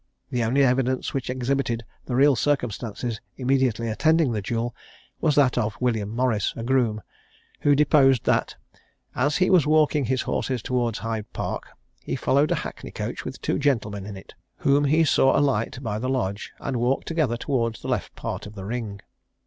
The only evidence which exhibited the real circumstances immediately attending the duel, was that of William Morris, a groom, who deposed that, "as he was walking his horses towards Hyde Park, he followed a hackney coach with two gentlemen in it, whom he saw alight by the Lodge, and walk together towards the left part of the ring.